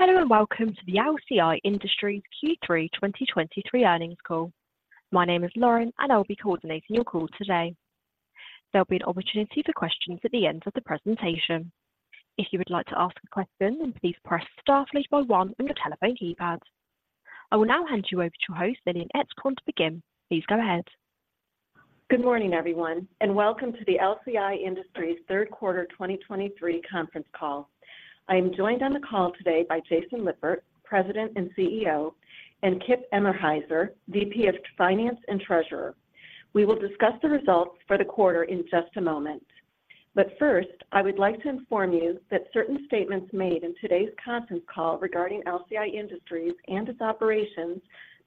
Hello, and welcome to the LCI Industries Q3 2023 earnings call. My name is Lauren, and I will be coordinating your call today. There'll be an opportunity for questions at the end of the presentation. If you would like to ask a question, then please press star followed by one on your telephone keypad. I will now hand you over to your host, Lillian Etzkorn, to begin. Please go ahead. Good morning, everyone, and welcome to the LCI Industries third quarter 2023 conference call. I am joined on the call today by Jason Lippert, President and CEO, and Kip Emenhiser, VP of Finance and Treasurer. We will discuss the results for the quarter in just a moment. But first, I would like to inform you that certain statements made in today's conference call regarding LCI Industries and its operations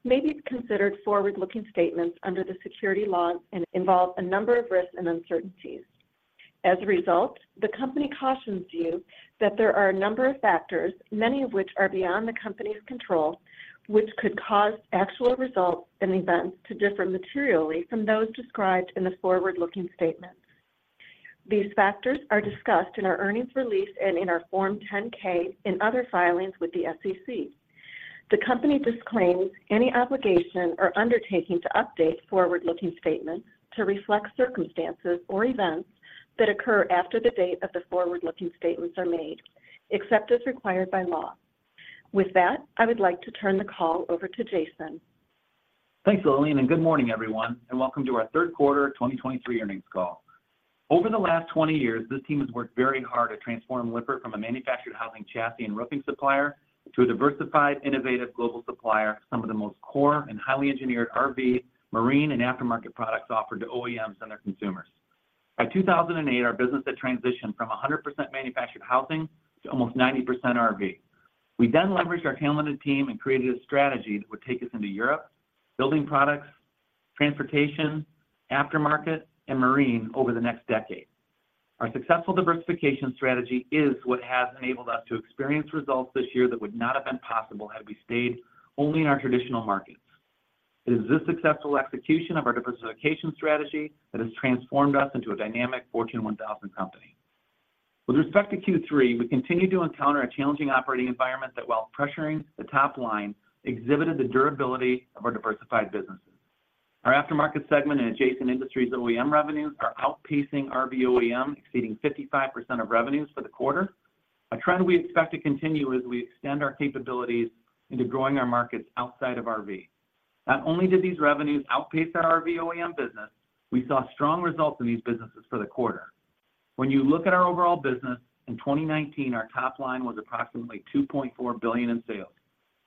may be considered forward-looking statements under the securities laws and involve a number of risks and uncertainties. As a result, the company cautions you that there are a number of factors, many of which are beyond the company's control, which could cause actual results and events to differ materially from those described in the forward-looking statements. These factors are discussed in our earnings release and in our Form 10-K and other filings with the SEC. The company disclaims any obligation or undertaking to update forward-looking statements to reflect circumstances or events that occur after the date of the forward-looking statements are made, except as required by law. With that, I would like to turn the call over to Jason. Thanks, Lillian, and good morning, everyone, and welcome to our third quarter 2023 earnings call. Over the last 20 years, this team has worked very hard to transform Lippert from a manufactured housing, chassis, and roofing supplier to a diversified, innovative global supplier of some of the most core and highly engineered RV, marine, and aftermarket products offered to OEMs and their consumers. By 2008, our business had transitioned from 100% manufactured housing to almost 90% RV. We then leveraged our talented team and created a strategy that would take us into Europe, building products, transportation, aftermarket, and marine over the next decade. Our successful diversification strategy is what has enabled us to experience results this year that would not have been possible had we stayed only in our traditional markets. It is this successful execution of our diversification strategy that has transformed us into a dynamic Fortune 1000 company. With respect to Q3, we continued to encounter a challenging operating environment that, while pressuring the top line, exhibited the durability of our diversified businesses. Our aftermarket segment and adjacent industries OEM revenues are outpacing RV OEM, exceeding 55% of revenues for the quarter, a trend we expect to continue as we extend our capabilities into growing our markets outside of RV. Not only did these revenues outpace our RV OEM business, we saw strong results in these businesses for the quarter. When you look at our overall business, in 2019, our top line was approximately $2.4 billion in sales.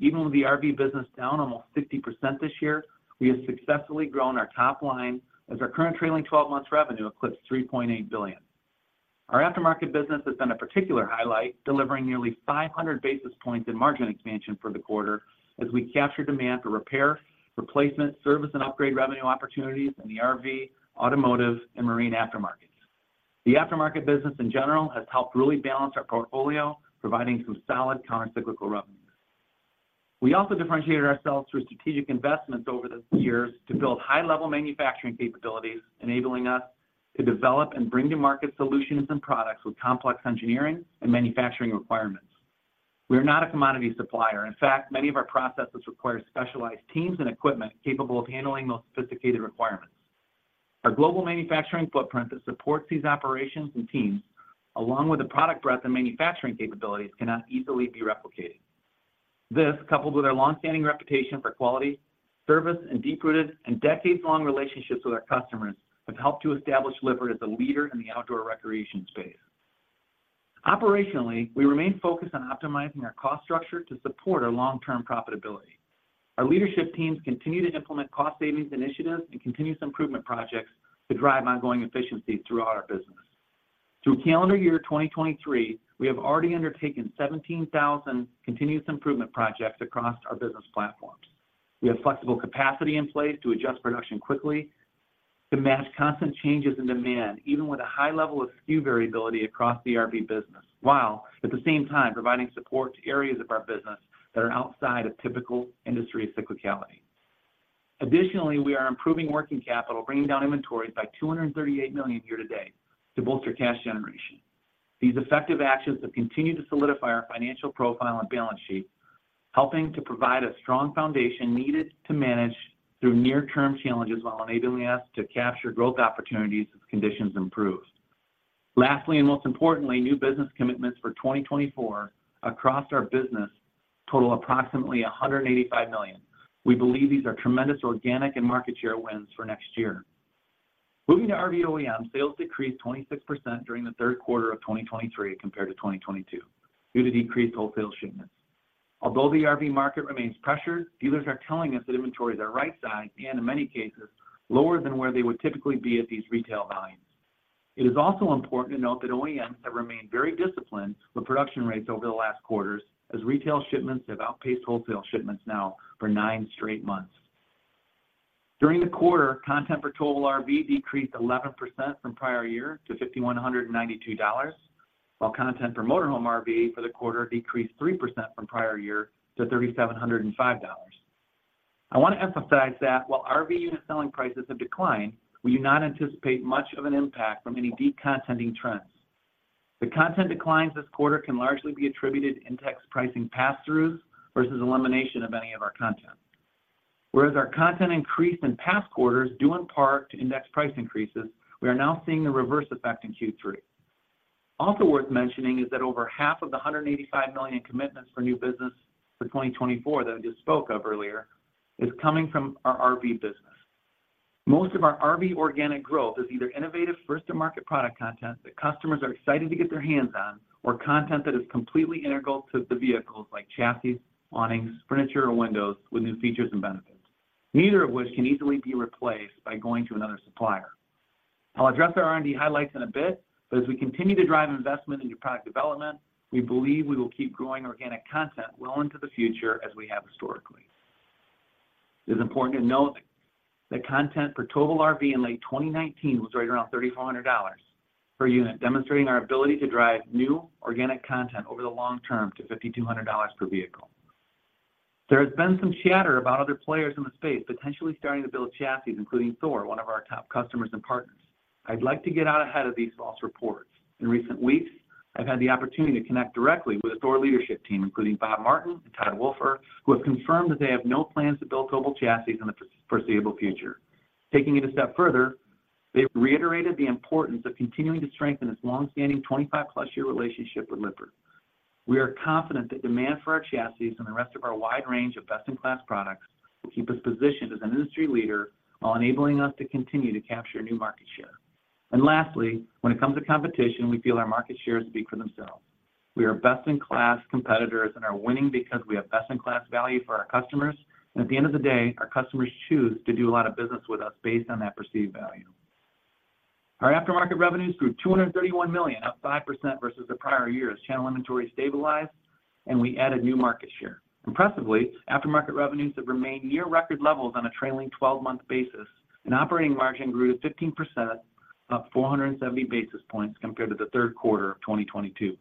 Even with the RV business down almost 50% this year, we have successfully grown our top line as our current trailing 12 months revenue eclipsed $3.8 billion. Our aftermarket business has been a particular highlight, delivering nearly 500 basis points in margin expansion for the quarter as we capture demand for repair, replacement, service, and upgrade revenue opportunities in the RV, automotive, and marine aftermarkets. The aftermarket business in general has helped really balance our portfolio, providing some solid countercyclical revenues. We also differentiated ourselves through strategic investments over the years to build high-level manufacturing capabilities, enabling us to develop and bring to market solutions and products with complex engineering and manufacturing requirements. We are not a commodity supplier. In fact, many of our processes require specialized teams and equipment capable of handling the most sophisticated requirements. Our global manufacturing footprint that supports these operations and teams, along with the product breadth and manufacturing capabilities, cannot easily be replicated. This, coupled with our long-standing reputation for quality, service, and deep-rooted and decades-long relationships with our customers, have helped to establish Lippert as a leader in the outdoor recreation space. Operationally, we remain focused on optimizing our cost structure to support our long-term profitability. Our leadership teams continue to implement cost savings initiatives and continuous improvement projects to drive ongoing efficiency throughout our business. Through calendar year 2023, we have already undertaken 17,000 continuous improvement projects across our business platforms. We have flexible capacity in place to adjust production quickly to match constant changes in demand, even with a high level of SKU variability across the RV business, while at the same time providing support to areas of our business that are outside of typical industry cyclicality. Additionally, we are improving working capital, bringing down inventories by $238 million year to date to bolster cash generation. These effective actions have continued to solidify our financial profile and balance sheet, helping to provide a strong foundation needed to manage through near-term challenges while enabling us to capture growth opportunities as conditions improve. Lastly, and most importantly, new business commitments for 2024 across our business total approximately $185 million. We believe these are tremendous organic and market share wins for next year. Moving to RV OEM, sales decreased 26% during the third quarter of 2023 compared to 2022 due to decreased wholesale shipments. Although the RV market remains pressured, dealers are telling us that inventories are right-sized and, in many cases, lower than where they would typically be at these retail volumes. It is also important to note that OEMs have remained very disciplined with production rates over the last quarters, as retail shipments have outpaced wholesale shipments now for nine straight months. During the quarter, content for total RV decreased 11% from prior year to $5,192, while content for motorhome RV for the quarter decreased 3% from prior year to $3,705. I want to emphasize that while RV unit selling prices have declined, we do not anticipate much of an impact from any de-contenting trends. The content declines this quarter can largely be attributed to index pricing passthroughs, versus elimination of any of our content. Whereas our content increase in past quarters due in part to index price increases, we are now seeing a reverse effect in Q3. Also worth mentioning is that over half of the $185 million in commitments for new business for 2024 that I just spoke of earlier, is coming from our RV business. Most of our RV organic growth is either innovative first-to-market product content that customers are excited to get their hands on, or content that is completely integral to the vehicles like chassis, awnings, furniture, or windows with new features and benefits, neither of which can easily be replaced by going to another supplier. I'll address our R&D highlights in a bit, but as we continue to drive investment into product development, we believe we will keep growing organic content well into the future as we have historically. It is important to note that content per towable RV in late 2019 was right around $3,400 per unit, demonstrating our ability to drive new organic content over the long term to $5,200 per vehicle. There has been some chatter about other players in the space, potentially starting to build chassis, including Thor, one of our top customers and partners. I'd like to get out ahead of these false reports. In recent weeks, I've had the opportunity to connect directly with the Thor leadership team, including Bob Martin and Todd Woelfer, who have confirmed that they have no plans to build towable chassis in the foreseeable future. Taking it a step further, they've reiterated the importance of continuing to strengthen this long-standing 25+ year relationship with Lippert. We are confident that demand for our chassis and the rest of our wide range of best-in-class products will keep us positioned as an industry leader, while enabling us to continue to capture new market share. And lastly, when it comes to competition, we feel our market shares speak for themselves. We are best-in-class competitors and are winning because we have best-in-class value for our customers. And at the end of the day, our customers choose to do a lot of business with us based on that perceived value. Our aftermarket revenues grew $231 million, up 5% versus the prior year as channel inventory stabilized and we added new market share. Impressively, aftermarket revenues have remained near record levels on a trailing twelve-month basis, and operating margin grew 15%, up 470 basis points compared to the third quarter of 2022.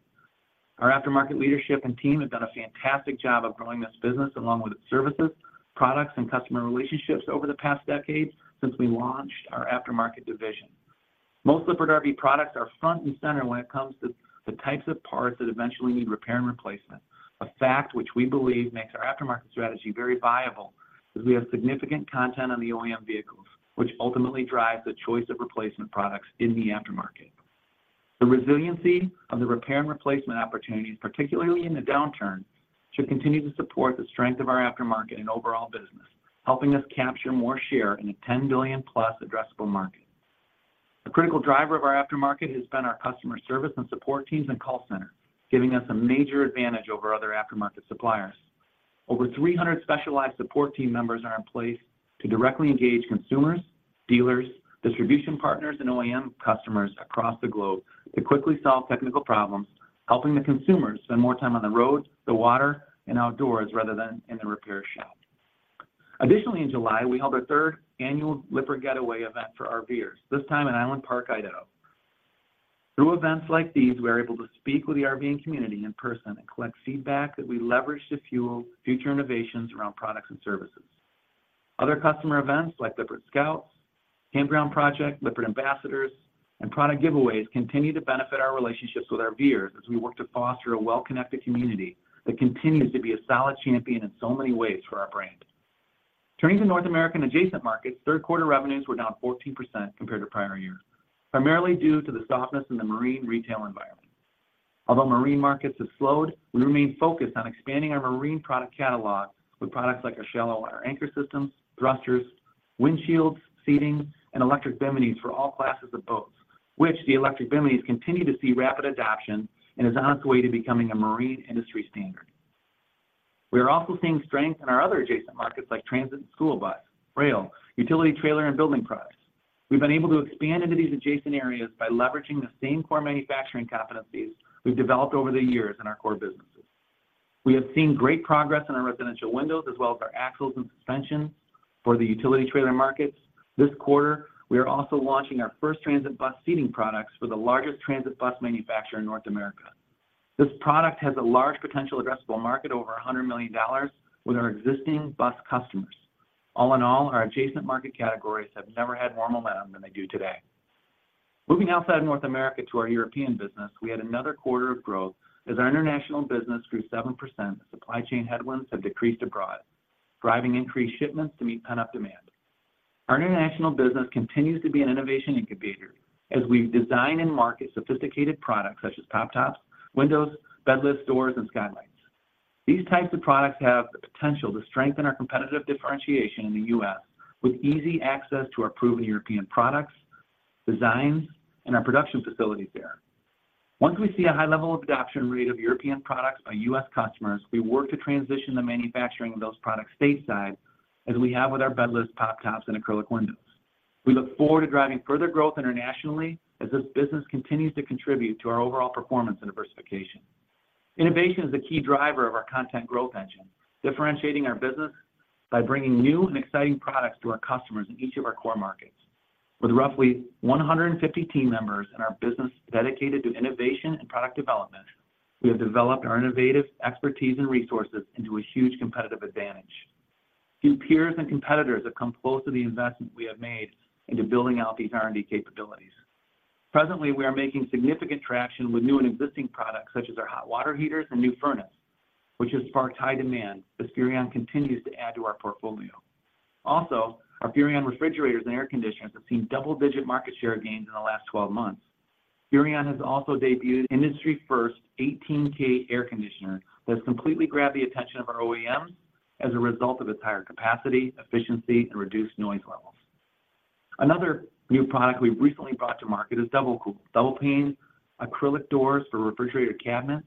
Our aftermarket leadership and team have done a fantastic job of growing this business along with its services, products, and customer relationships over the past decade since we launched our aftermarket division. Most Lippert RV products are front and center when it comes to the types of parts that eventually need repair and replacement. A fact which we believe makes our aftermarket strategy very viable, as we have significant content on the OEM vehicles, which ultimately drives the choice of replacement products in the aftermarket. The resiliency of the repair and replacement opportunities, particularly in the downturn, should continue to support the strength of our aftermarket and overall business, helping us capture more share in a +$10 billion addressable market. A critical driver of our aftermarket has been our customer service and support teams and call center, giving us a major advantage over other aftermarket suppliers. Over 300 specialized support team members are in place to directly engage consumers, dealers, distribution partners, and OEM customers across the globe to quickly solve technical problems, helping the consumer spend more time on the road, the water, and outdoors, rather than in the repair shop. Additionally, in July, we held our third annual Lippert Getaway event for RVers, this time in Island Park, Idaho. Through events like these, we are able to speak with the RVing community in person and collect feedback that we leverage to fuel future innovations around products and services. Other customer events like Lippert Scouts, Campground Project, Lippert Ambassadors, and product giveaways continue to benefit our relationships with our RVers as we work to foster a well-connected community that continues to be a solid champion in so many ways for our brand. Turning to North American adjacent markets, third quarter revenues were down 14% compared to prior year, primarily due to the softness in the marine retail environment. Although marine markets have slowed, we remain focused on expanding our marine product catalog with products like our shallow water anchor systems, thrusters, windshields, seating, and electric biminis for all classes of boats, which the electric biminis continue to see rapid adoption and is on its way to becoming a marine industry standard. We are also seeing strength in our other adjacent markets like transit and school bus, rail, utility trailer, and building products. We've been able to expand into these adjacent areas by leveraging the same core manufacturing competencies we've developed over the years in our core businesses. We have seen great progress in our residential windows, as well as our axles and suspension for the utility trailer markets. This quarter, we are also launching our first transit bus seating products for the largest transit bus manufacturer in North America. This product has a large potential addressable market over $100 million with our existing bus customers. All in all, our adjacent market categories have never had more momentum than they do today. Moving outside of North America to our European business, we had another quarter of growth as our international business grew 7%. Supply chain headwinds have decreased abroad, driving increased shipments to meet pent-up demand. Our international business continues to be an innovation incubator as we design and market sophisticated products such as pop-tops, windows, bed lift doors, and skylights. These types of products have the potential to strengthen our competitive differentiation in the U.S. with easy access to our proven European products, designs, and our production facilities there. Once we see a high level of adoption rate of European products by U.S. customers, we work to transition the manufacturing of those products stateside, as we have with our bed lifts, pop-tops, and acrylic windows. We look forward to driving further growth internationally as this business continues to contribute to our overall performance and diversification. Innovation is the key driver of our content growth engine, differentiating our business by bringing new and exciting products to our customers in each of our core markets. With roughly 150 team members in our business dedicated to innovation and product development, we have developed our innovative expertise and resources into a huge competitive advantage. Few peers and competitors have come close to the investment we have made into building out these R&D capabilities. Presently, we are making significant traction with new and existing products, such as our hot water heaters and new furnace, which has sparked high demand as Furrion continues to add to our portfolio. Also, our Furrion refrigerators and air conditioners have seen double-digit market share gains in the last 12 months. Furrion has also debuted industry's first 18K air conditioner that has completely grabbed the attention of our OEMs as a result of its higher capacity, efficiency, and reduced noise levels. Another new product we've recently brought to market is DoubleCOOL double-pane acrylic doors for refrigerator cabinets,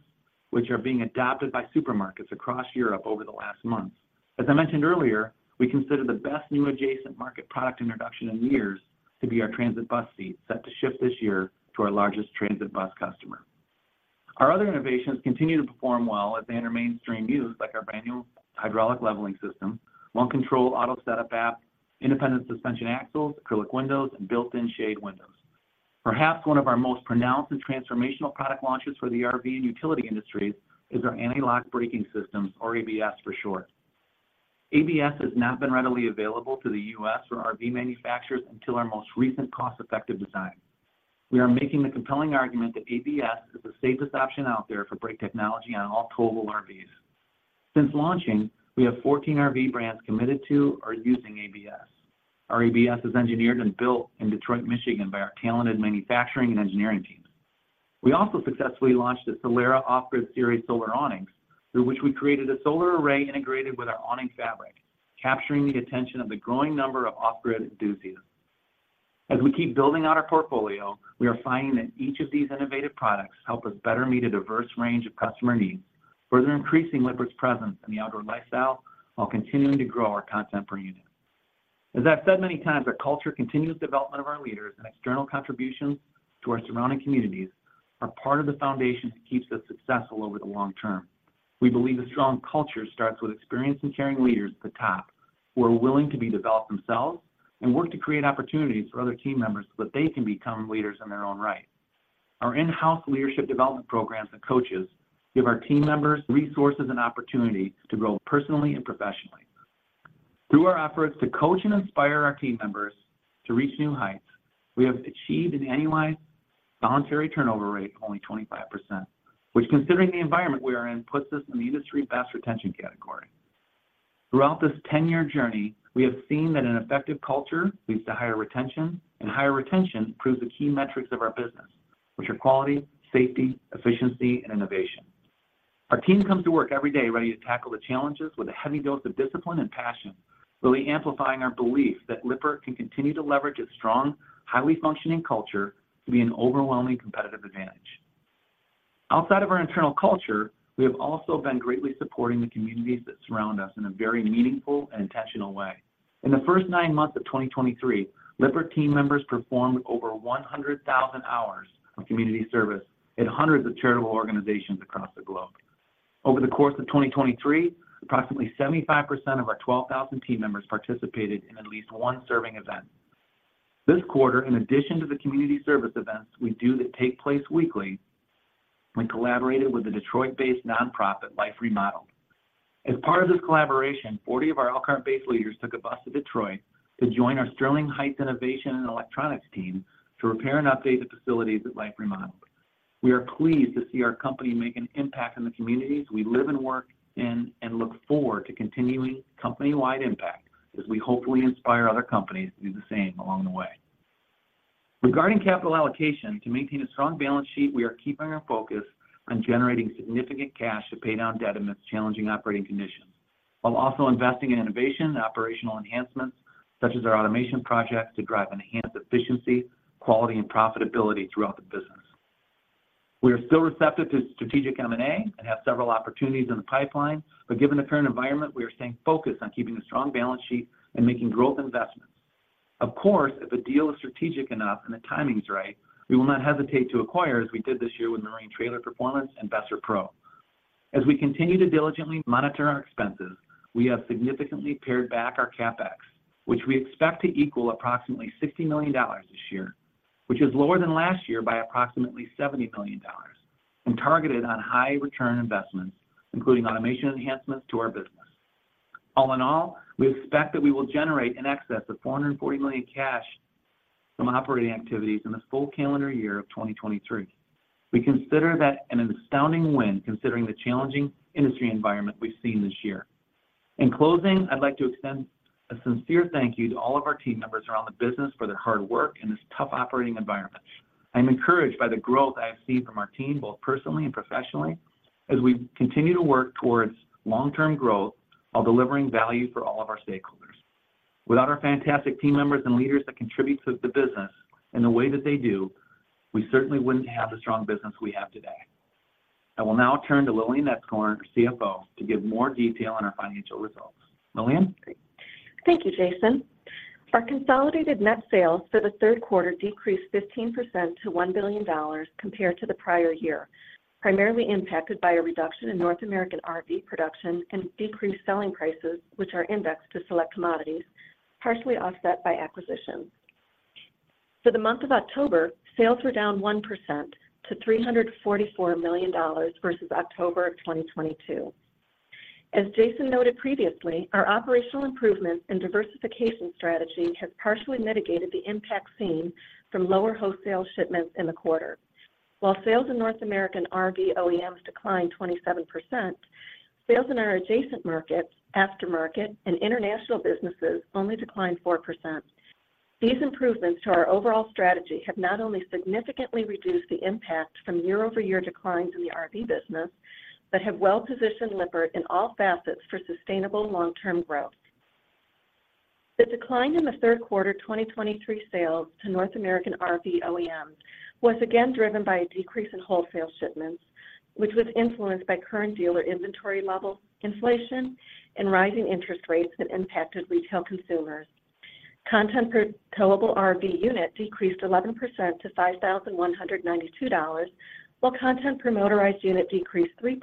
which are being adopted by supermarkets across Europe over the last months. As I mentioned earlier, we consider the best new adjacent market product introduction in years to be our transit bus seat, set to ship this year to our largest transit bus customer. Our other innovations continue to perform well as they enter mainstream use, like our brand-new hydraulic leveling system, OneControl Auto Setup App, independent suspension axles, acrylic windows, and built-in shade windows. Perhaps one of our most pronounced and transformational product launches for the RV and utility industries is our anti-lock braking systems, or ABS for short. ABS has not been readily available to the U.S. RV manufacturers until our most recent cost-effective design. We are making the compelling argument that ABS is the safest option out there for brake technology on all towable RVs. Since launching, we have 14 RV brands committed to or using ABS. Our ABS is engineered and built in Detroit, Michigan, by our talented manufacturing and engineering teams. We also successfully launched the Solara off-grid series solar awnings, through which we created a solar array integrated with our awning fabric, capturing the attention of the growing number of off-grid enthusiasts. As we keep building out our portfolio, we are finding that each of these innovative products help us better meet a diverse range of customer needs, further increasing Lippert's presence in the outdoor lifestyle while continuing to grow our content per unit. As I've said many times, our culture, continuous development of our leaders, and external contributions to our surrounding communities are part of the foundation that keeps us successful over the long term. We believe a strong culture starts with experienced and caring leaders at the top, who are willing to be developed themselves and work to create opportunities for other team members so that they can become leaders in their own right. Our in-house leadership development programs and coaches give our team members resources and opportunity to grow personally and professionally. Through our efforts to coach and inspire our team members to reach new heights, we have achieved an annualized voluntary turnover rate of only 25%, which, considering the environment we are in, puts us in the industry best retention category. Throughout this 10-year journey, we have seen that an effective culture leads to higher retention, and higher retention improves the key metrics of our business, which are quality, safety, efficiency, and innovation. Our team comes to work every day ready to tackle the challenges with a heavy dose of discipline and passion, really amplifying our belief that Lippert can continue to leverage its strong, highly functioning culture to be an overwhelming competitive advantage. Outside of our internal culture, we have also been greatly supporting the communities that surround us in a very meaningful and intentional way. In the first nine months of 2023, Lippert team members performed over 100,000 hours of community service in hundreds of charitable organizations across the globe. Over the course of 2023, approximately 75% of our 12,000 team members participated in at least one serving event. This quarter, in addition to the community service events we do that take place weekly, we collaborated with the Detroit-based nonprofit, Life Remodeled. As part of this collaboration, 40 of our Elkhart-based leaders took a bus to Detroit to join our Sterling Heights Innovation and Electronics team to repair and update the facilities at Life Remodeled. We are pleased to see our company make an impact in the communities we live and work in, and look forward to continuing company-wide impact as we hopefully inspire other companies to do the same along the way. Regarding capital allocation, to maintain a strong balance sheet, we are keeping our focus on generating significant cash to pay down debt amidst challenging operating conditions, while also investing in innovation and operational enhancements, such as our automation projects, to drive enhanced efficiency, quality, and profitability throughout the business. We are still receptive to strategic M&A and have several opportunities in the pipeline, but given the current environment, we are staying focused on keeping a strong balance sheet and making growth investments. Of course, if a deal is strategic enough and the timing is right, we will not hesitate to acquire, as we did this year with Marine Trailer Performance and Prosser Pro. As we continue to diligently monitor our expenses, we have significantly pared back our CapEx, which we expect to equal approximately $60 million this year, which is lower than last year by approximately $70 million and targeted on high-return investments, including automation enhancements to our business. All in all, we expect that we will generate in excess of $440 million cash from operating activities in this full calendar year of 2023. We consider that an astounding win, considering the challenging industry environment we've seen this year. In closing, I'd like to extend a sincere thank you to all of our team members around the business for their hard work in this tough operating environment. I'm encouraged by the growth I have seen from our team, both personally and professionally, as we continue to work towards long-term growth while delivering value for all of our stakeholders. Without our fantastic team members and leaders that contribute to the business in the way that they do, we certainly wouldn't have the strong business we have today. I will now turn to Lillian Etzkorn, our CFO, to give more detail on our financial results. Lillian? Thank you, Jason. Our consolidated net sales for the third quarter decreased 15% to $1 billion compared to the prior year, primarily impacted by a reduction in North American RV production and decreased selling prices, which are indexed to select commodities, partially offset by acquisitions. For the month of October, sales were down 1% to $344 million versus October of 2022. As Jason noted previously, our operational improvements and diversification strategy have partially mitigated the impact seen from lower wholesale shipments in the quarter. While sales in North American RV OEMs declined 27%, sales in our adjacent markets, aftermarket, and international businesses only declined 4%. These improvements to our overall strategy have not only significantly reduced the impact from year-over-year declines in the RV business, but have well-positioned Lippert in all facets for sustainable long-term growth. The decline in the Q3 2023 sales to North American RV OEMs was again driven by a decrease in wholesale shipments, which was influenced by current dealer inventory levels, inflation, and rising interest rates that impacted retail consumers. Content per towable RV unit decreased 11% to $5,192, while content per motorized unit decreased 3%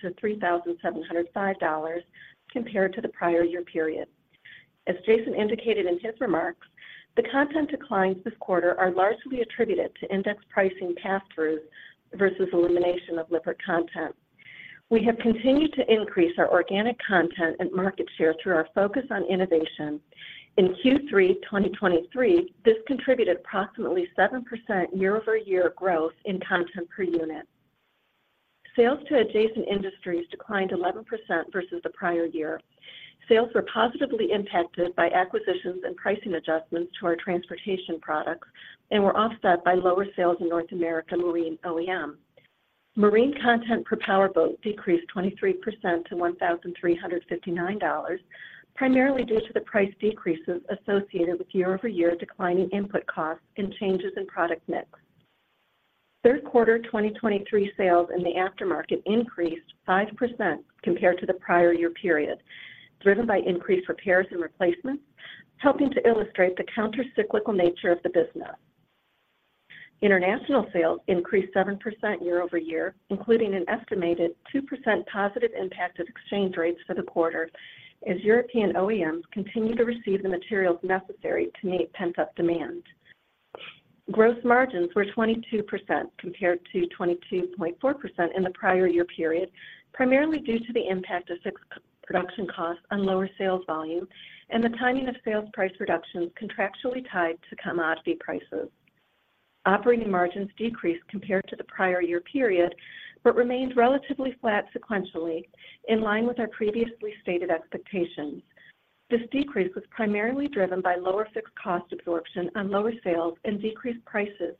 to $3,705 compared to the prior year period. As Jason indicated in his remarks, the content declines this quarter are largely attributed to index pricing pass-through versus elimination of Lippert content. We have continued to increase our organic content and market share through our focus on innovation. In Q3 2023, this contributed approximately 7% year-over-year growth in content per unit. Sales to adjacent industries declined 11% versus the prior year. Sales were positively impacted by acquisitions and pricing adjustments to our transportation products and were offset by lower sales in North America Marine OEM. Marine content per powerboat decreased 23% to $1,359, primarily due to the price decreases associated with year-over-year declining input costs and changes in product mix. Third quarter 2023 sales in the aftermarket increased 5% compared to the prior year period, driven by increased repairs and replacements, helping to illustrate the countercyclical nature of the business. International sales increased 7% year-over-year, including an estimated 2% positive impact of exchange rates for the quarter, as European OEMs continue to receive the materials necessary to meet pent-up demand. Gross margins were 22%, compared to 22.4% in the prior year period, primarily due to the impact of fixed production costs on lower sales volume and the timing of sales price reductions contractually tied to commodity prices. Operating margins decreased compared to the prior year period, but remained relatively flat sequentially, in line with our previously stated expectations. This decrease was primarily driven by lower fixed cost absorption on lower sales and decreased prices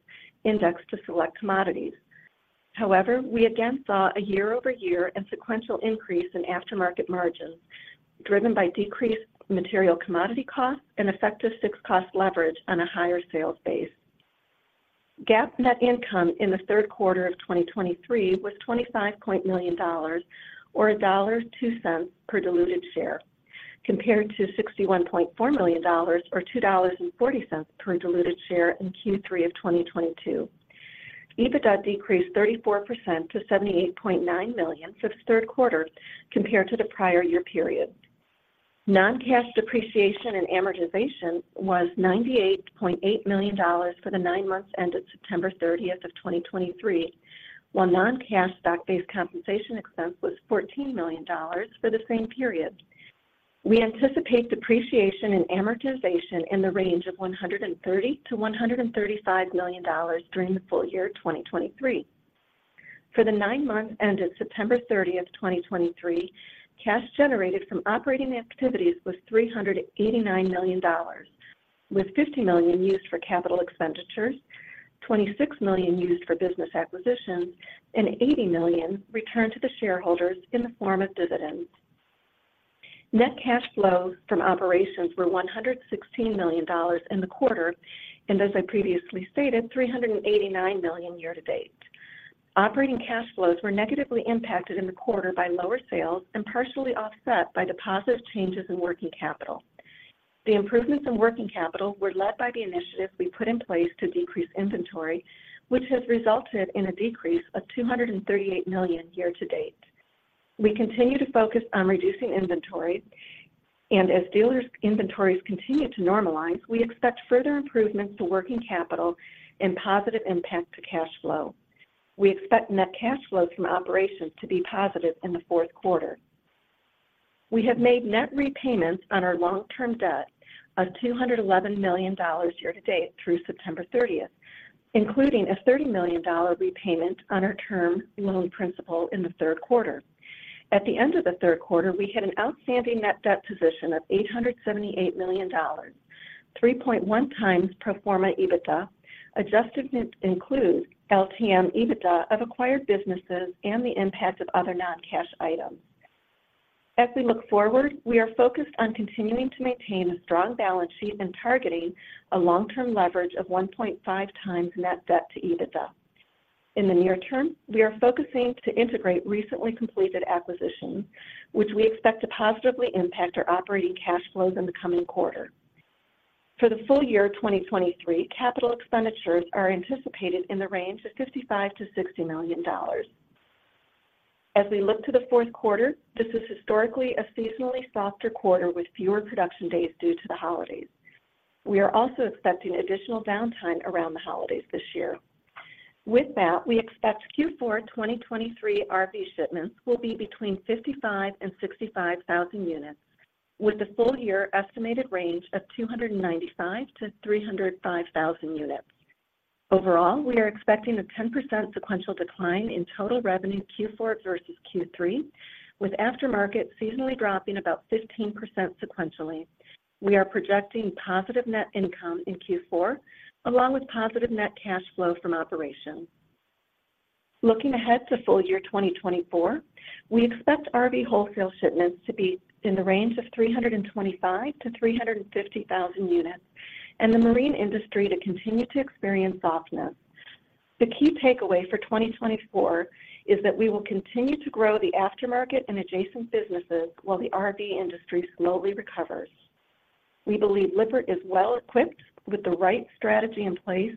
indexed to select commodities. However, we again saw a year-over-year and sequential increase in aftermarket margins, driven by decreased material commodity costs and effective fixed cost leverage on a higher sales base. GAAP net income in the third quarter of 2023 was $25 million or $1.02 per diluted share, compared to $61.4 million or $2.40 per diluted share in Q3 of 2022. EBITDA decreased 34% to $78.9 million for the third quarter compared to the prior year period. Non-cash depreciation and amortization was $98.8 million for the nine months ended September thirtieth of 2023, while non-cash stock-based compensation expense was $14 million for the same period. We anticipate depreciation and amortization in the range of $130-$135 million during the full-year 2023. For the nine months ended September 30, 2023, cash generated from operating activities was $389 million, with $50 million used for capital expenditures, $26 million used for business acquisitions, and $80 million returned to the shareholders in the form of dividends. Net cash flows from operations were $116 million in the quarter, and as I previously stated, $389 million year to date. Operating cash flows were negatively impacted in the quarter by lower sales and partially offset by the positive changes in working capital. The improvements in working capital were led by the initiatives we put in place to decrease inventory, which has resulted in a decrease of $238 million year to date. We continue to focus on reducing inventory, and as dealers' inventories continue to normalize, we expect further improvements to working capital and positive impact to cash flow. We expect net cash flow from operations to be positive in the fourth quarter. We have made net repayments on our long-term debt of $211 million year to date through September 30, including a $30 million repayment on our term loan principal in the third quarter. At the end of the third quarter, we had an outstanding net debt position of $878 million, 3.1x pro forma EBITDA. Adjusted to include LTM EBITDA of acquired businesses and the impact of other non-cash items. As we look forward, we are focused on continuing to maintain a strong balance sheet and targeting a long-term leverage of 1.5x net debt to EBITDA. In the near term, we are focusing to integrate recently completed acquisitions, which we expect to positively impact our operating cash flows in the coming quarter. For the full-year 2023, capital expenditures are anticipated in the range of $55-$60 million. As we look to the fourth quarter, this is historically a seasonally softer quarter with fewer production days due to the holidays. We are also expecting additional downtime around the holidays this year. With that, we expect Q4 2023 RV shipments will be between 55,000 and 65,000 units, with the full-year estimated range of 295,000-305,000 units. Overall, we are expecting a 10% sequential decline in total revenue Q4 versus Q3, with aftermarket seasonally dropping about 15% sequentially. We are projecting positive net income in Q4, along with positive net cash flow from operations. Looking ahead to full-year 2024, we expect RV wholesale shipments to be in the range of 325,000-350,000 units, and the marine industry to continue to experience softness. The key takeaway for 2024 is that we will continue to grow the aftermarket and adjacent businesses while the RV industry slowly recovers. We believe Lippert is well equipped with the right strategy in place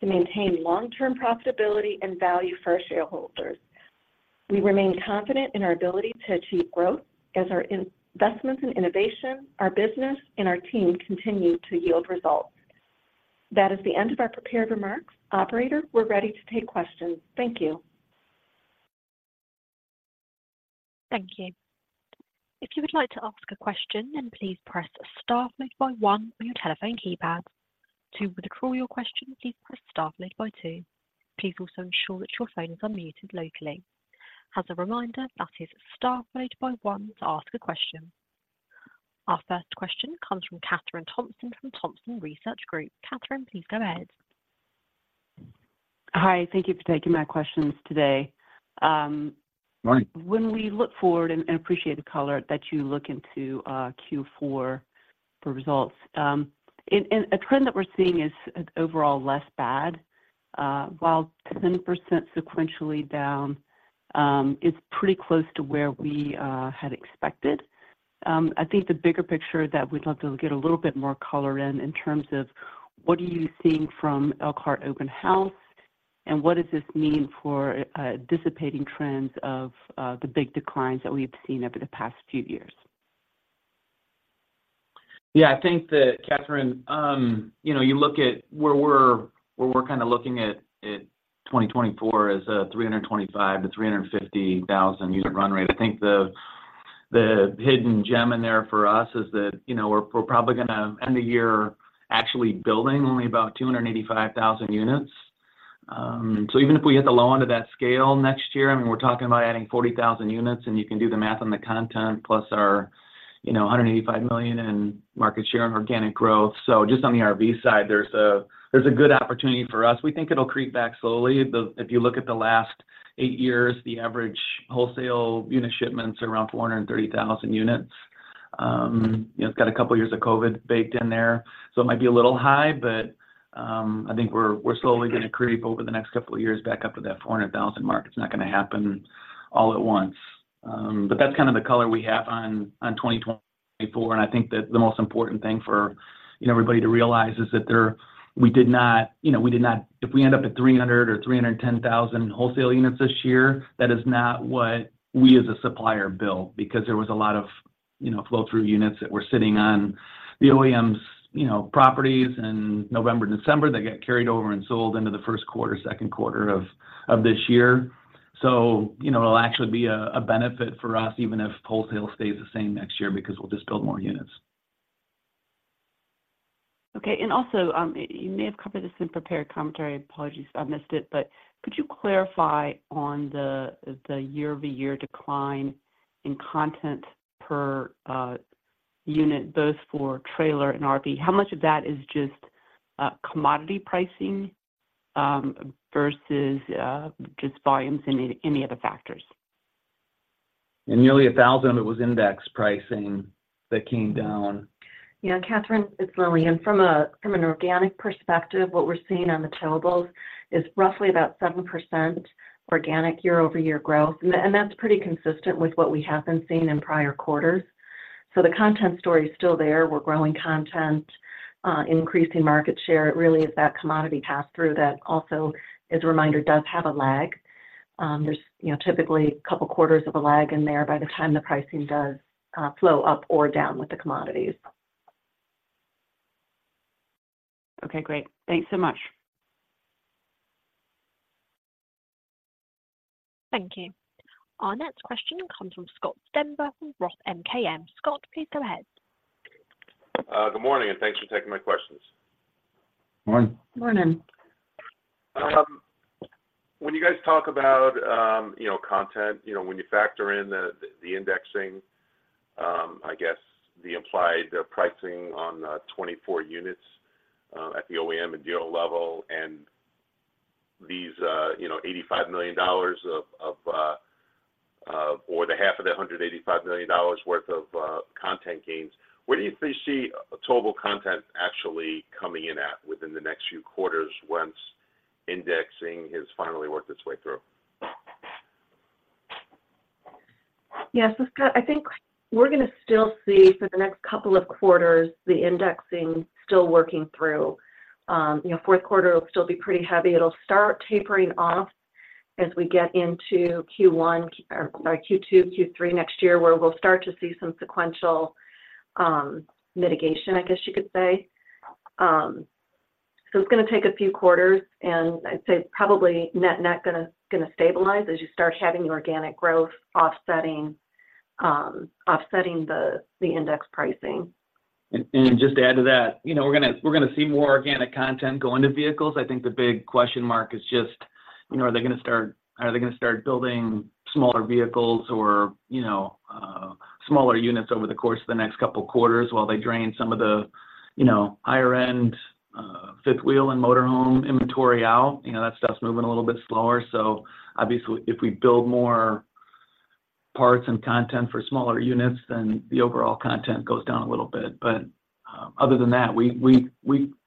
to maintain long-term profitability and value for our shareholders. We remain confident in our ability to achieve growth as our investments in innovation, our business, and our team continue to yield results. That is the end of our prepared remarks. Operator, we're ready to take questions. Thank you. Thank you. If you would like to ask a question, then please press star followed by one on your telephone keypad. To withdraw your question, please press star followed by two. Please also ensure that your phones are muted locally. As a reminder, that is star followed by one to ask a question. Our first question comes from Kathryn Thompson from Thompson Research Group. Kathryn, please go ahead. Hi, thank you for taking my questions today. Morning. When we look forward and appreciate the color that you look into Q4 for results, and a trend that we're seeing is overall less bad, while 10% sequentially down is pretty close to where we had expected. I think the bigger picture that we'd love to get a little bit more color in, in terms of what are you seeing from Elkhart Open House, and what does this mean for dissipating trends of the big declines that we've seen over the past few years? Yeah, I think that, Kathryn, you know, you look at where we're, where we're kind of looking at 2024 as a 325,000-350,000 unit run rate. I think the hidden gem in there for us is that, you know, we're, we're probably gonna end the year actually building only about 285,000 units. So even if we hit the low end of that scale next year, I mean, we're talking about adding 40,000 units, and you can do the math on the content plus our, you know, $185 million in market share and organic growth. So just on the RV side, there's a good opportunity for us. We think it'll creep back slowly. If you look at the last eight years, the average wholesale unit shipments are around 430,000 units. You know, it's got a couple of years of COVID baked in there, so it might be a little high, but I think we're slowly going to creep over the next couple of years back up to that 400,000 mark. It's not going to happen all at once. But that's kind of the color we have on 2024, and I think that the most important thing for, you know, everybody to realize is that there, we did not, you know, we did not. If we end up at 300 or 310,000 wholesale units this year, that is not what we as a supplier built, because there was a lot of, you know, flow-through units that were sitting on the OEMs, you know, properties in November, December, that got carried over and sold into the first quarter, second quarter of this year. So, you know, it'll actually be a benefit for us, even if wholesale stays the same next year, because we'll just build more units. Okay. And also, you may have covered this in prepared commentary. Apologies if I missed it, but could you clarify on the year-over-year decline in content per unit, both for trailer and RV? How much of that is just commodity pricing versus just volumes and any other factors? In nearly 1,000, it was index pricing that came down. Yeah, Kathryn, it's Lillian. From an organic perspective, what we're seeing on the towables is roughly about 7% organic year-over-year growth, and that's pretty consistent with what we have been seeing in prior quarters. So the content story is still there. We're growing content, increasing market share. It really is that commodity pass-through that also, as a reminder, does have a lag. There's, you know, typically a couple of quarters of a lag in there by the time the pricing does flow up or down with the commodities. Okay, great. Thanks so much. Thank you. Our next question comes from Scott Stember from Roth MKM. Scott, please go ahead. Good morning, and thanks for taking my questions. Morning. Morning. When you guys talk about, you know, content, you know, when you factor in the, the indexing, I guess the implied pricing on 24 units at the OEM and deal level and these, you know, $85 million of or the half of the $185 million worth of content gains, where do you see towable content actually coming in at within the next few quarters once indexing has finally worked its way through? Yeah, so Scott, I think we're gonna still see for the next couple of quarters, the indexing still working through. You know, fourth quarter will still be pretty heavy. It'll start tapering off as we get into Q1 or Q2, Q3 next year, where we'll start to see some sequential mitigation, I guess you could say. So it's gonna take a few quarters, and I'd say probably net-net gonna stabilize as you start having the organic growth offsetting the index pricing. Just to add to that, you know, we're gonna see more organic content go into vehicles. I think the big question mark is just, you know, are they gonna start building smaller vehicles or, you know, smaller units over the course of the next couple quarters while they drain some of the, you know, higher end, fifth wheel and motor home inventory out? You know, that stuff's moving a little bit slower. So obviously, if we build more parts and content for smaller units, then the overall content goes down a little bit. But other than that, we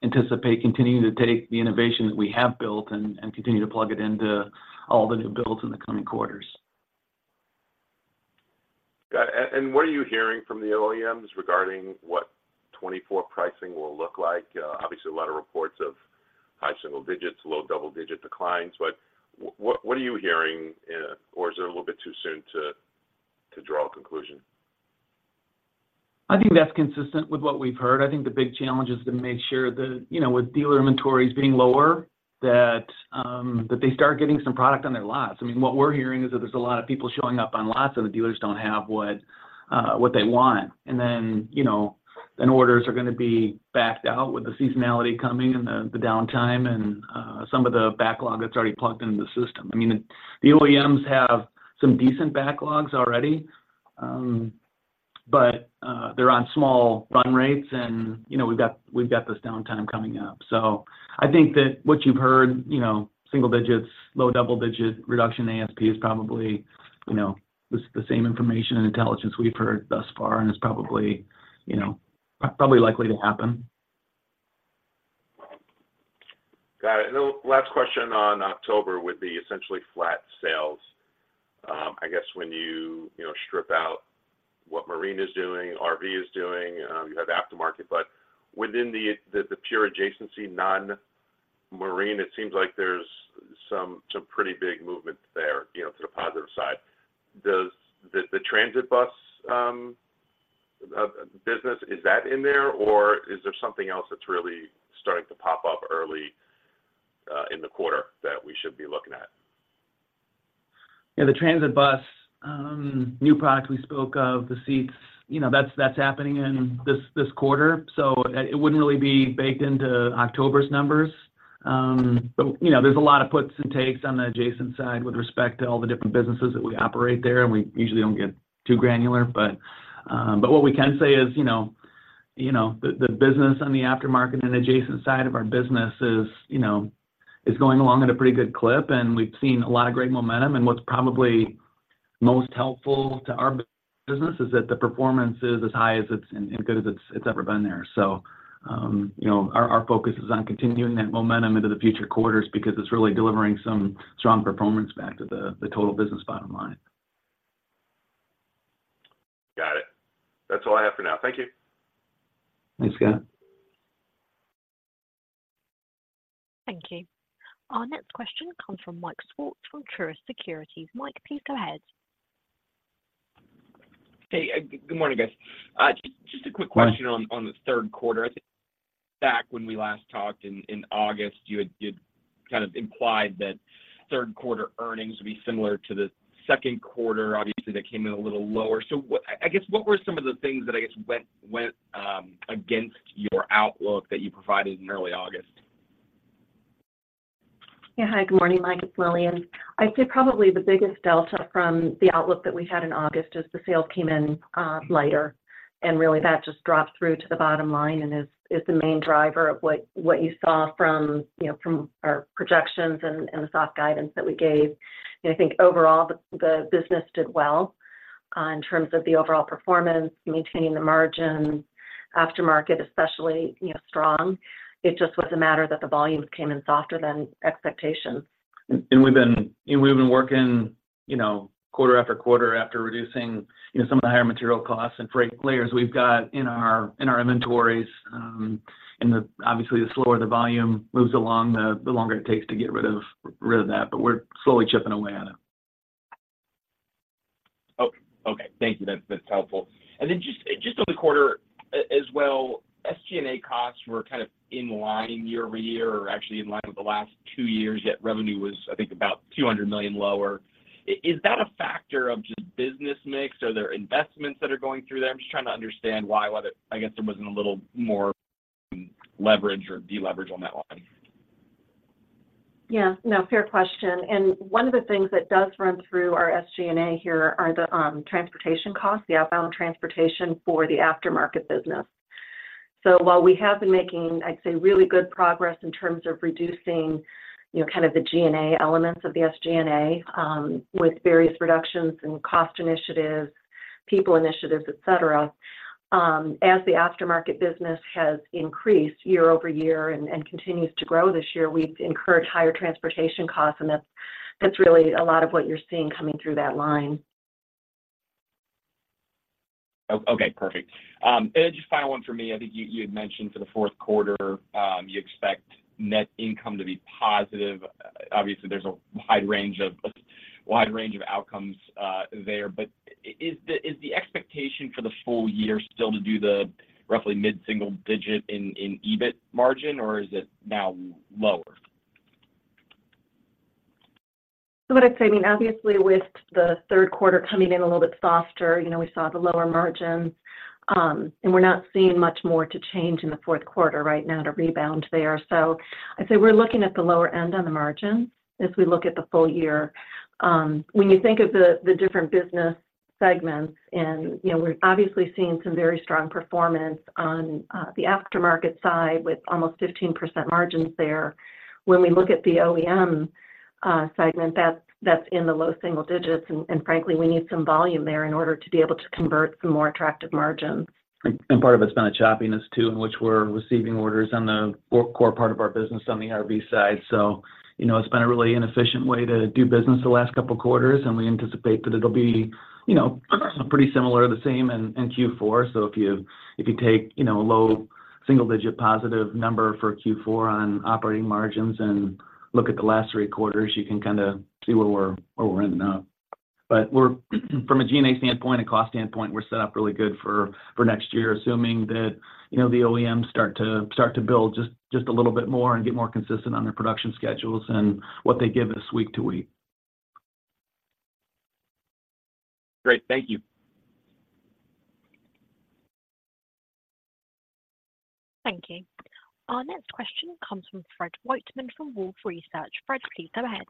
anticipate continuing to take the innovation that we have built and continue to plug it into all the new builds in the coming quarters. Got it. And what are you hearing from the OEMs regarding what 2024 pricing will look like? Obviously, a lot of reports of high single digits, low double-digit declines, but what are you hearing, or is it a little bit too soon to draw a conclusion? I think that's consistent with what we've heard. I think the big challenge is to make sure that, you know, with dealer inventories being lower, that, that they start getting some product on their lots. I mean, what we're hearing is that there's a lot of people showing up on lots, and the dealers don't have what, what they want. And then, you know, then orders are gonna be backed out with the seasonality coming and the, the downtime and, some of the backlog that's already plugged into the system. I mean, the OEMs have some decent backlogs already, but, they're on small run rates, and, you know, we've got we've got this downtime coming up. I think that what you've heard, you know, single digits, low double-digit reduction, ASP is probably, you know, the, the same information and intelligence we've heard thus far, and is probably, you know, probably likely to happen. Got it. And the last question on October with the essentially flat sales. I guess when you, you know, strip out what marine is doing, RV is doing, you have aftermarket, but within the pure adjacency, non-marine, it seems like there's some pretty big movement there, you know, to the positive side. Does the transit bus business is that in there, or is there something else that's really starting to pop up early in the quarter that we should be looking at? Yeah, the transit bus new product, we spoke of the seats, you know, that's happening in this quarter, so it wouldn't really be baked into October's numbers. But, you know, there's a lot of puts and takes on the adjacent side with respect to all the different businesses that we operate there, and we usually don't get too granular. But what we can say is, you know, the business on the aftermarket and adjacent side of our business is going along at a pretty good clip, and we've seen a lot of great momentum. And what's probably most helpful to our business is that the performance is as high as it's and good as it's ever been there. You know, our focus is on continuing that momentum into the future quarters because it's really delivering some strong performance back to the total business bottom line. Got it. That's all I have for now. Thank you. Thanks, Scott. Thank you. Our next question comes from Mike Swartz from Truist Securities. Mike, please go ahead. Hey, good morning, guys. Just a quick question on the third quarter. I think back when we last talked in August, you'd kind of implied that third quarter earnings would be similar to the second quarter. Obviously, they came in a little lower. So, I guess, what were some of the things that I guess went against your outlook that you provided in early August? Yeah. Hi, good morning, Mike. It's Lillian. I'd say probably the biggest delta from the outlook that we had in August is the sales came in lighter, and really that just dropped through to the bottom line and is the main driver of what you saw from, you know, from our projections and the soft guidance that we gave. And I think overall, the business did well in terms of the overall performance, maintaining the margin, aftermarket, especially, you know, strong. It just was a matter that the volumes came in softer than expectations. And we've been working, you know, quarter after quarter after reducing, you know, some of the higher material costs and freight layers we've got in our inventories. And obviously, the slower the volume moves along, the longer it takes to get rid of that, but we're slowly chipping away at it. Okay. Okay, thank you. That's, that's helpful. And then just, just on the quarter as well, SG&A costs were kind of in line year-over-year or actually in line with the last two years, yet revenue was, I think, about $200 million lower. Is that a factor of just business mix, or are there investments that are going through there? I'm just trying to understand why, why, I guess there wasn't a little more leverage or deleverage on that line. Yeah. No, fair question. And one of the things that does run through our SG&A here are the transportation costs, the outbound transportation for the aftermarket business. So while we have been making, I'd say, really good progress in terms of reducing, you know, kind of the G&A elements of the SG&A, with various reductions in cost initiatives, people initiatives, et cetera, as the aftermarket business has increased year over year and continues to grow this year, we've incurred higher transportation costs, and that's really a lot of what you're seeing coming through that line. Okay, perfect. And just final one for me. I think you had mentioned for the fourth quarter, you expect net income to be positive. Obviously, there's a wide range of outcomes there, but is the expectation for the full-year still to do the roughly mid-single digit in EBIT margin, or is it now lower? So what I'd say, I mean, obviously, with the third quarter coming in a little bit softer, you know, we saw the lower margins, and we're not seeing much more to change in the fourth quarter right now to rebound there. So I'd say we're looking at the lower end on the margins as we look at the full-year. When you think of the different business segments and, you know, we're obviously seeing some very strong performance on the aftermarket side, with almost 15% margins there. When we look at the OEM segment, that's in the low single digits, and frankly, we need some volume there in order to be able to convert some more attractive margins. And part of it's been a choppiness, too, in which we're receiving orders on the core part of our business on the RV side. So, you know, it's been a really inefficient way to do business the last couple quarters, and we anticipate that it'll be, you know, pretty similar or the same in Q4. So if you take, you know, a low single-digit positive number for Q4 on operating margins and look at the last three quarters, you can kinda see where we're ending up. But from a G&A standpoint, a cost standpoint, we're set up really good for next year, assuming that, you know, the OEMs start to build just a little bit more and get more consistent on their production schedules and what they give us week to week. Great. Thank you. Thank you. Our next question comes from Fred Wightman, from Wolfe Research. Fred, please go ahead.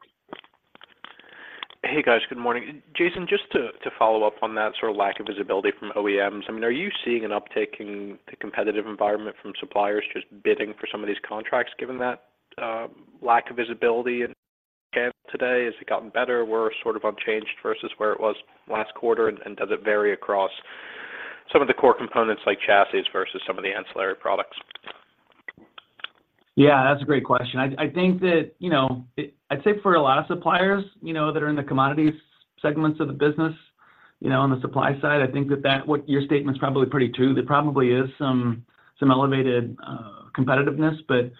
Hey, guys. Good morning. Jason, just to follow up on that sort of lack of visibility from OEMs, I mean, are you seeing an uptick in the competitive environment from suppliers just bidding for some of these contracts, given that lack of visibility in today? Has it gotten better or worse, sort of unchanged versus where it was last quarter? And does it vary across some of the core components like chassis versus some of the ancillary products? Yeah, that's a great question. I think that, you know, I'd say for a lot of suppliers, you know, that are in the commodities segments of the business, you know, on the supply side, I think that your statement's probably pretty true. There probably is some elevated competitiveness. But,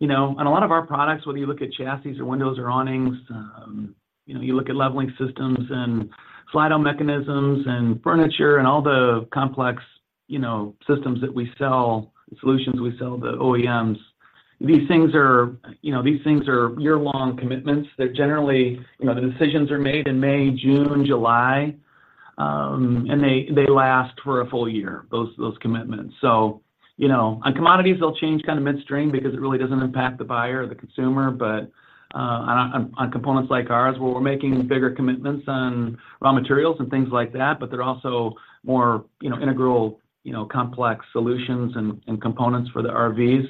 you know, on a lot of our products, whether you look at chassis or windows or awnings, you know, you look at leveling systems and slide-out mechanisms and furniture and all the complex, you know, systems that we sell, solutions we sell the OEMs, these things are, you know, these things are year-long commitments. They're generally. You know, the decisions are made in May, June, July, and they last for a full-year, those commitments. So, you know, on commodities, they'll change kind of midstream because it really doesn't impact the buyer or the consumer. But on components like ours, where we're making bigger commitments on raw materials and things like that, but they're also more, you know, integral, you know, complex solutions and components for the RVs,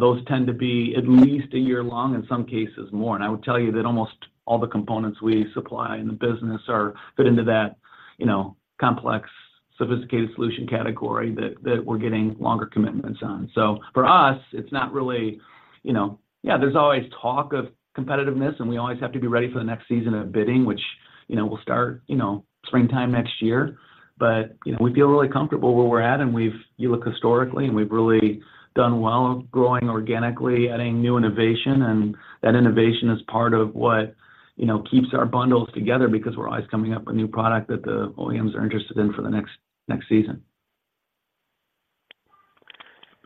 those tend to be at least a year long, in some cases more. And I would tell you that almost all the components we supply in the business are fit into that, you know, complex, sophisticated solution category that we're getting longer commitments on. So for us, it's not really, you know. Yeah, there's always talk of competitiveness, and we always have to be ready for the next season of bidding, which, you know, will start, you know, springtime next year. You know, we feel really comfortable where we're at, and we've. You look historically, and we've really done well growing organically, adding new innovation. And that innovation is part of what, you know, keeps our bundles together because we're always coming up with new product that the OEMs are interested in for the next, next season.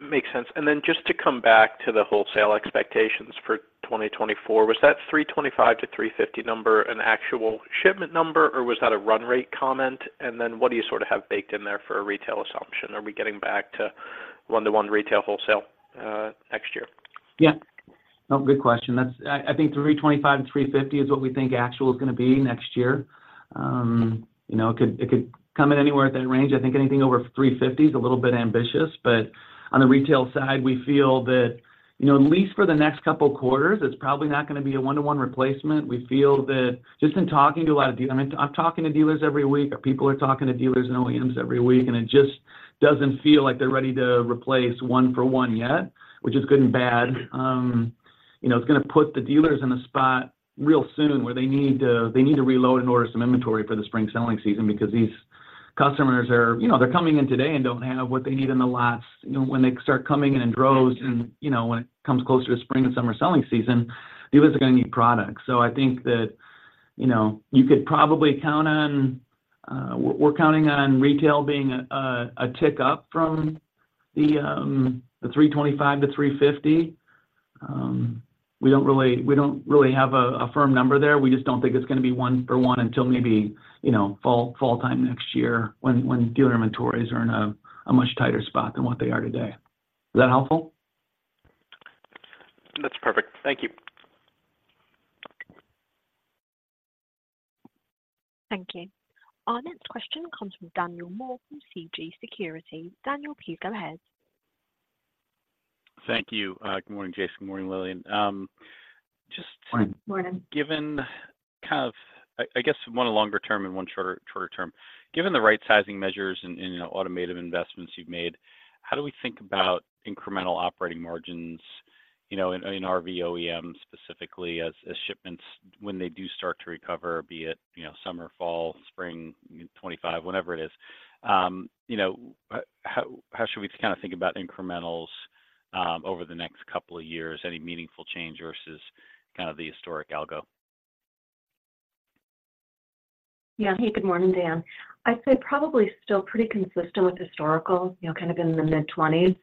Makes sense. Then just to come back to the wholesale expectations for 2024, was that 325-350 number an actual shipment number, or was that a run rate comment? And then, what do you sort of have baked in there for a retail assumption? Are we getting back to 1:1 retail wholesale next year? Yeah. No, good question. That's, I, I think 325-350 is what we think actual is gonna be next year. You know, it could, it could come in anywhere at that range. I think anything over 350 is a little bit ambitious, but on the retail side, we feel that, you know, at least for the next couple quarters, it's probably not gonna be a one to one replacement. We feel that just in talking to a lot of dealers, I mean, I'm talking to dealers every week, or people are talking to dealers and OEMs every week, and it just doesn't feel like they're ready to replace one for one yet, which is good and bad. You know, it's gonna put the dealers in the spot real soon, where they need to, they need to reload and order some inventory for the spring selling season because these customers are, you know, they're coming in today and don't have what they need in the lots. You know, when they start coming in in droves and, you know, when it comes closer to spring and summer selling season, dealers are gonna need products. So I think that, you know, you could probably count on. We're, we're counting on retail being a, a tick up from the 325-350. We don't really, we don't really have a, a firm number there. We just don't think it's gonna be one for one until maybe, you know, fall time next year, when dealer inventories are in a much tighter spot than what they are today. Is that helpful? That's perfect. Thank you. Thank you. Our next question comes from Daniel Moore, from CJS Securities. Daniel, please go ahead. Thank you. Good morning, Jason. Good morning, Lillian. Just, Morning. Morning. Given one longer term and one shorter term. Given the right sizing measures and, you know, automated investments you've made, how do we think about incremental operating margins, you know, in RV OEM, specifically as shipments, when they do start to recover, be it, you know, summer, fall, spring, 2025, whenever it is? You know, how should we kind of think about incrementals over the next couple of years? Any meaningful change versus kind of the historic algo? Yeah. Hey, good morning, Dan. I'd say probably still pretty consistent with historical, you know, kind of in the mid-twenties,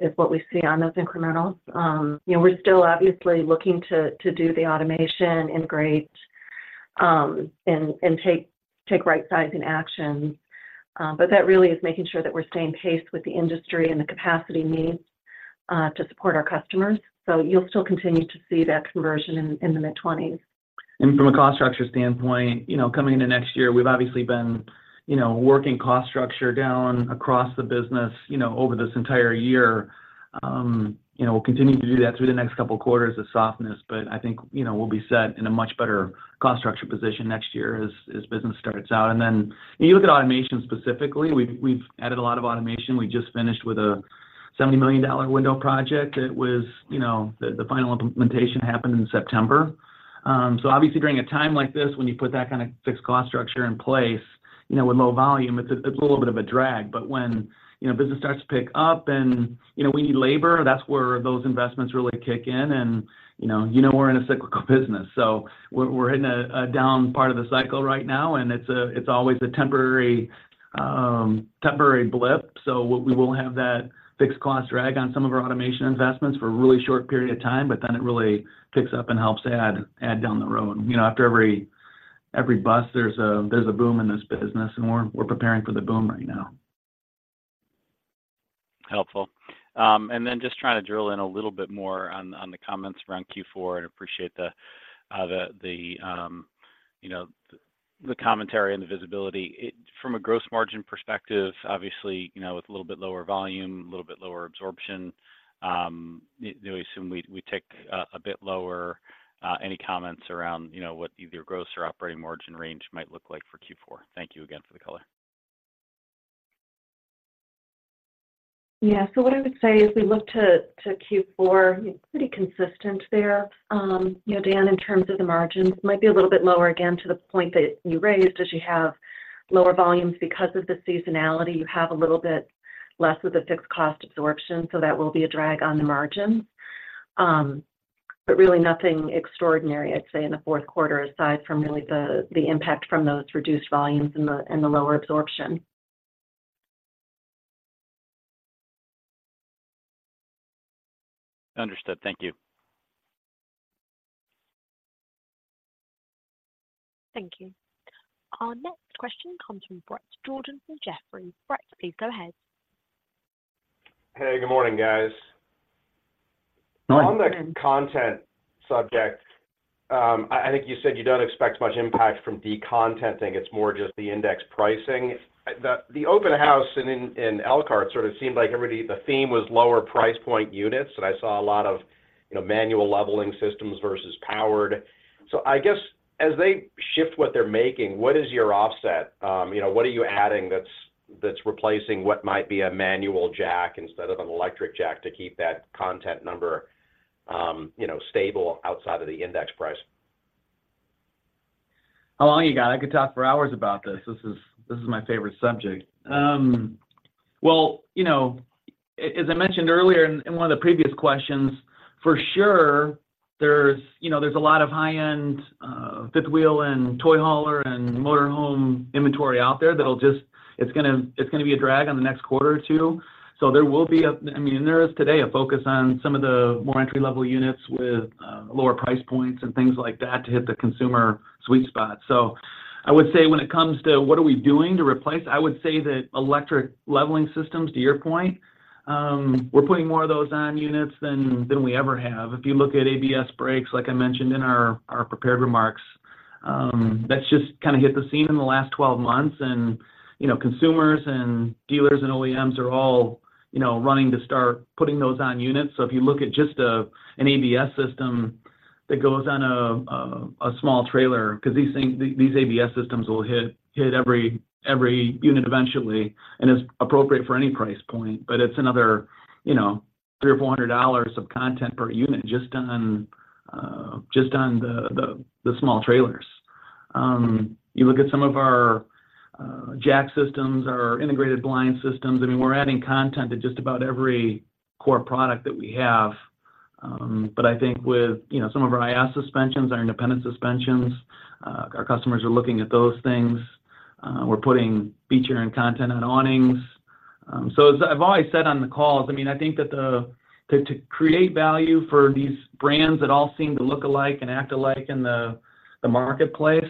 is what we see on those incrementals. You know, we're still obviously looking to do the automation integrate, and take right sizing action. But that really is making sure that we're staying paced with the industry and the capacity needs to support our customers. So you'll still continue to see that conversion in the mid-twenties. And from a cost structure standpoint, you know, coming into next year, we've obviously been, you know, working cost structure down across the business, you know, over this entire year. You know, we'll continue to do that through the next couple of quarters of softness, but I think, you know, we'll be set in a much better cost structure position next year as, as business starts out. And then you look at automation specifically, we've added a lot of automation. We just finished with a $70 million window project. It was, you know... The final implementation happened in September. So obviously, during a time like this, when you put that kind of fixed cost structure in place, you know, with low volume, it's a little bit of a drag. But when, you know, business starts to pick up and, you know, we need labor, that's where those investments really kick in. And, you know, we're in a cyclical business, so we're in a down part of the cycle right now, and it's always a temporary blip. So, we will have that fixed cost drag on some of our automation investments for a really short period of time, but then it really picks up and helps add down the road. You know, after every bust, there's a boom in this business, and we're preparing for the boom right now. Helpful. And then just trying to drill in a little bit more on the comments around Q4 and appreciate the, you know, the commentary and the visibility. From a gross margin perspective, obviously, you know, with a little bit lower volume, a little bit lower absorption, you know, we assume we tick a bit lower. Any comments around, you know, what either gross or operating margin range might look like for Q4? Thank you again for the color. Yeah. So what I would say is we look to Q4, pretty consistent there. You know, Dan, in terms of the margins, might be a little bit lower, again, to the point that you raised, as you have lower volumes. Because of the seasonality, you have a little bit less of the fixed cost absorption, so that will be a drag on the margins. But really nothing extraordinary, I'd say, in the fourth quarter, aside from really the impact from those reduced volumes and the lower absorption. Understood. Thank you. Thank you. Our next question comes from Bret Jordan from Jefferies. Bret, please go ahead. Hey, good morning, guys. Morning. Morning. On the content subject, I think you said you don't expect much impact from decontenting. It's more just the index Pricing. The Open House in Elkhart sort of seemed like everybody, the theme was lower price point units, and I saw a lot of, you know, manual leveling systems versus powered. So I guess, as they shift what they're making, what is your offset? You know, what are you adding that's replacing what might be a manual jack instead of an electric jack to keep that content number, you know, stable outside of the index pricing? How long you got? I could talk for hours about this. This is, this is my favorite subject. Well, you know, as I mentioned earlier in, in one of the previous questions, for sure, there's, you know, there's a lot of high-end, fifth wheel and toy hauler, and motorhome inventory out there that'll just, it's gonna, it's gonna be a drag on the next quarter or two. So there will be a, I mean, and there is today, a focus on some of the more entry-level units with, lower price points and things like that to hit the consumer sweet spot. So I would say when it comes to what are we doing to replace, I would say that electric leveling systems, to your point, we're putting more of those on units than, than we ever have. If you look at ABS brakes, like I mentioned in our prepared remarks, that's just kind of hit the scene in the last 12 months. You know, consumers and dealers and OEMs are all, you know, running to start putting those on units. So if you look at just an ABS system that goes on a small trailer, because these things, these ABS systems will hit every unit eventually, and it's appropriate for any price point, but it's another, you know, $300-$400 of content per unit just on the small trailers. You look at some of our jack systems, our integrated blind systems, I mean, we're adding content to just about every core product that we have. But I think with, you know, some of our IS suspensions, our independent suspensions, our customers are looking at those things. We're putting feature and content on awnings. So as I've always said on the calls, I mean, I think that to create value for these brands that all seem to look alike and act alike in the, the marketplace,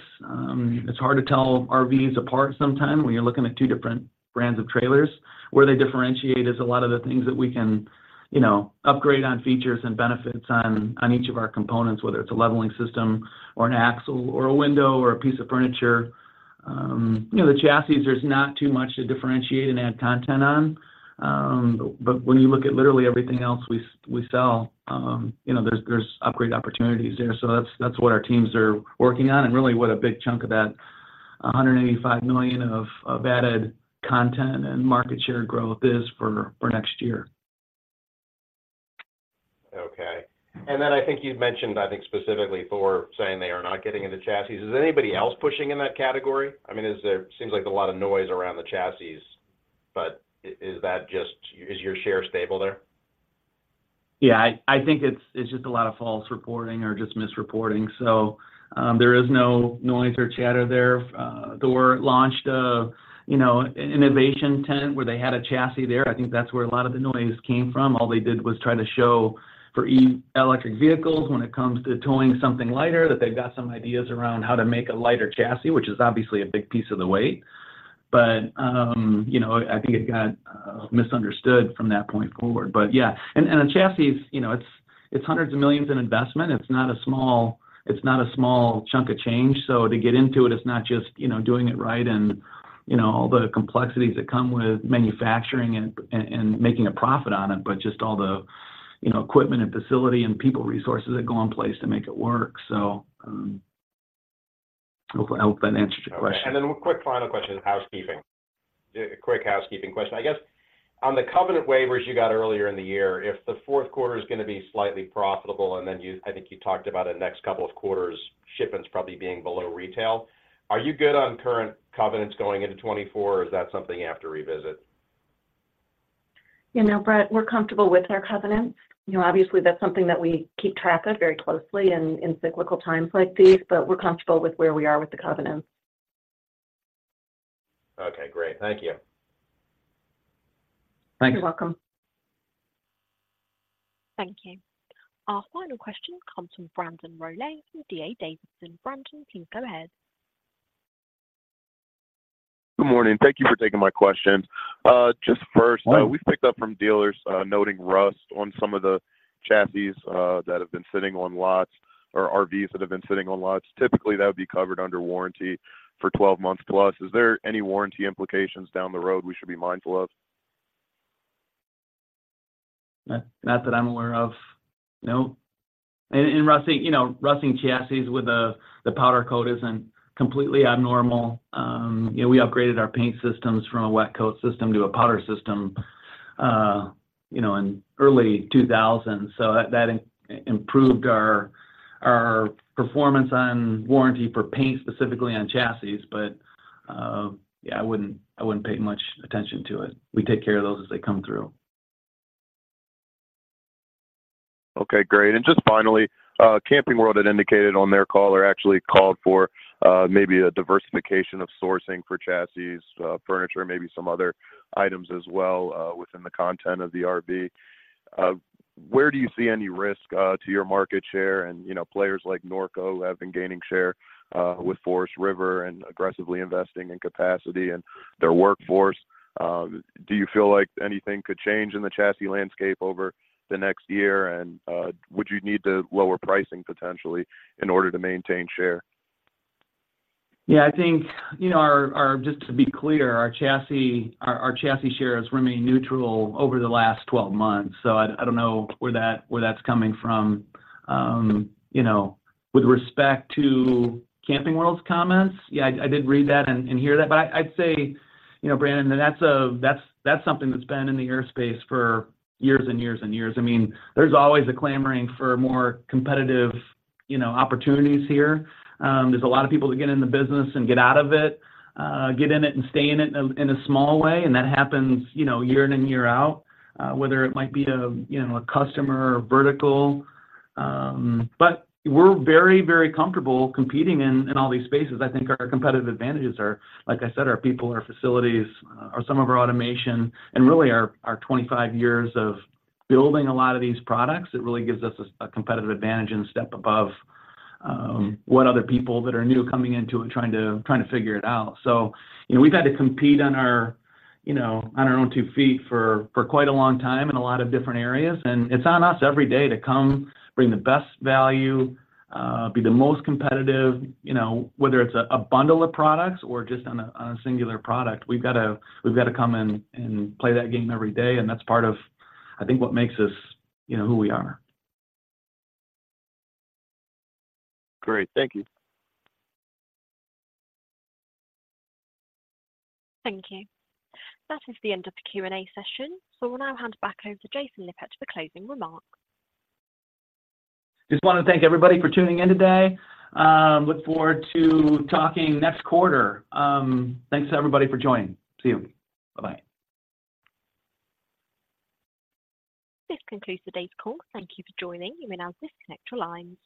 it's hard to tell RVs apart sometimes when you're looking at two different brands of trailers. Where they differentiate is a lot of the things that we can, you know, upgrade on features and benefits on, on each of our components, whether it's a leveling system or an axle, or a window, or a piece of furniture. You know, the chassis, there's not too much to differentiate and add content on. But when you look at literally everything else we sell, you know, there's upgrade opportunities there. So that's what our teams are working on and really what a big chunk of that $185 million of added content and market share growth is for next year. Okay. And then I think you've mentioned, I think, specifically Thor saying they are not getting into chassis. Is anybody else pushing in that category? I mean, is there. seems like a lot of noise around the chassis, but is that just. Is your share stable there? Yeah, I think it's just a lot of false reporting or just misreporting. So, there is no noise or chatter there. Thor launched a, you know, innovation tent where they had a chassis there. I think that's where a lot of the noise came from. All they did was try to show for electric vehicles when it comes to towing something lighter, that they've got some ideas around how to make a lighter chassis, which is obviously a big piece of the weight. But, you know, I think it got misunderstood from that point forward. But, yeah, and a chassis, you know, it's hundreds of millions in investment. It's not a small chunk of change. So to get into it, it's not just, you know, doing it right and, you know, all the complexities that come with manufacturing and, and, and making a profit on it, but just all the, you know, equipment and facility and people resources that go in place to make it work. So, I hope that answers your question. Okay. Then one quick final question, housekeeping. A quick housekeeping question. I guess, on the covenant waivers you got earlier in the year, if the fourth quarter is gonna be slightly profitable, and then you, I think you talked about the next couple of quarters, shipments probably being below retail. Are you good on current covenants going into 2024, or is that something you have to revisit? You know, Bret, we're comfortable with our covenants. You know, obviously, that's something that we keep track of very closely in cyclical times like these, but we're comfortable with where we are with the covenants. Okay, great. Thank you. Thank you. You're welcome. Thank you. Our final question comes from Brandon Rolle, from D.A. Davidson. Brandon, please go ahead. Good morning. Thank you for taking my questions. Just first, we've picked up from dealers, noting rust on some of the chassis, that have been sitting on lots or RVs that have been sitting on lots. Typically, that would be covered under warranty for 12 months plus. Is there any warranty implications down the road we should be mindful of? Not, not that I'm aware of. No. And rusting, you know, rusting chassis with the powder coat isn't completely abnormal. You know, we upgraded our paint systems from a wet coat system to a powder system, you know, in early 2000. So that improved our performance on warranty for paint, specifically on chassis. But yeah, I wouldn't pay much attention to it. We take care of those as they come through. Okay, great. And just finally, Camping World had indicated on their call or actually called for, maybe a diversification of sourcing for chassis, furniture, maybe some other items as well, within the content of the RV. Where do you see any risk to your market share? And, you know, players like Norco, who have been gaining share with Forest River and aggressively investing in capacity and their workforce. Do you feel like anything could change in the chassis landscape over the next year? And, would you need to lower pricing, potentially, in order to maintain share? Yeah, I think, you know, just to be clear, our chassis shares remain neutral over the last 12 months, so I don't know where that's coming from. You know, with respect to Camping World's comments, yeah, I did read that and hear that, but I'd say, you know, Brandon, that's something that's been in the airspace for years and years and years. I mean, there's always a clamoring for more competitive, you know, opportunities here. There's a lot of people that get in the business and get out of it, get in it and stay in it in a small way, and that happens, you know, year in and year out, whether it might be a customer or vertical. But we're very, very comfortable competing in, in all these spaces. I think our competitive advantages are, like I said, our people, our facilities, are some of our automation and really our, our 25 years of building a lot of these products. It really gives us a, a competitive advantage and a step above, what other people that are new coming into it, trying to, trying to figure it out. So, you know, we've had to compete on our, you know, on our own two feet for, for quite a long time in a lot of different areas, and it's on us every day to come, bring the best value, be the most competitive, you know, whether it's a, a bundle of products or just on a, on a singular product. We've got to come in and play that game every day, and that's part of, I think, what makes us, you know, who we are. Great. Thank you. Thank you. That is the end of the Q&A session. So we'll now hand it back over to Jason Lippert for closing remarks. Just wanted to thank everybody for tuning in today. Look forward to talking next quarter. Thanks to everybody for joining. See you. Bye-bye. This concludes today's call. Thank you for joining. You may now disconnect your lines.